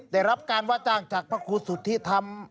ได้รับการว่าจ้างจากพระครูสุทธิธรรม